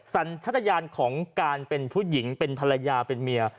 สัญชาติยานของการเป็นผู้หญิงเป็นภรรยาเป็นเมีย